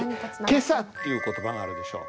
「今朝」っていう言葉があるでしょ。